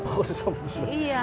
oh kursus komputer